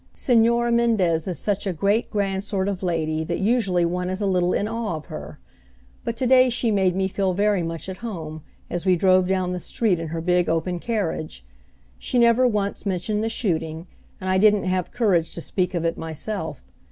Señora Mendez is such a great grand sort of lady that usually one is a little in awe of her; but to day she made me feel very much at home, as we drove down the street in her big open carriage. She never once mentioned the shooting, and I didn't have courage to speak of it myself.